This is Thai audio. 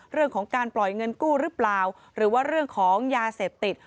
เรื่องของการปล่อยเงินกู้หรือเปล่าหรือว่าเรื่องของยาเสพติด